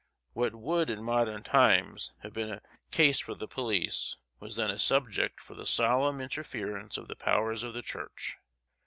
What would, in modern times, have been a case for the police, was then a subject for the solemn interference of the powers of the church.